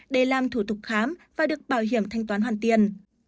để làm thủ tục khám và được bảo hiểm thanh toán hoàn tiền